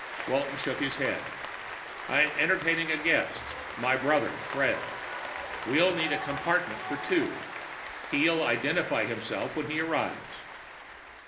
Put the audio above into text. Walton shook his head. "I'm entertaining a guest my brother, Fred. We'll need a compartment for two. He'll identify himself when he arrives."